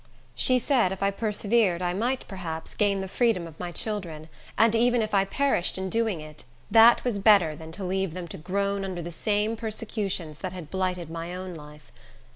She said if I persevered I might, perhaps, gain the freedom of my children; and even if I perished in doing it, that was better than to leave them to groan under the same persecutions that had blighted my own life.